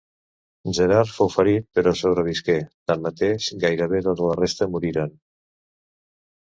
Gerard fou ferit, però sobrevisqué; tanmateix, gairebé tota la resta moriren.